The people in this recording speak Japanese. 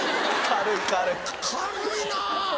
軽いな。